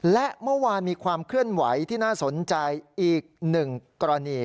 และเมื่อวานมีความเคลื่อนไหวที่น่าสนใจอีกหนึ่งกรณี